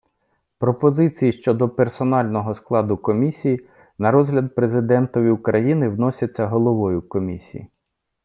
Пропозиції щодо персонального складу Комісії на розгляд Президентові України вносяться головою Комісії.